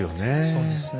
そうですね。